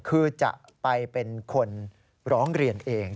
คือจะไปเป็นคนร้องเรียนเอง